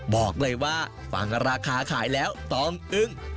บอกเลยว่าฟังราคาขายแล้วต้องอึ้ง